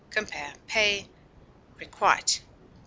Compare PAY; REQUITE.